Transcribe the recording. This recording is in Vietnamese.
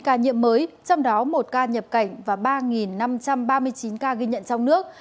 trong đó một ca nhập cảnh và ba năm trăm ba mươi chín ca ghi nhận trong nước